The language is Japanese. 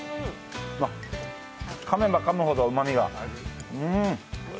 かめばかむほどうまみが。